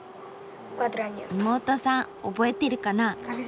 妹さん覚えてるかな？